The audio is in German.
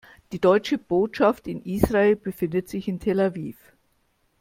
Die Deutsche Botschaft in Israel befindet sich in Tel Aviv.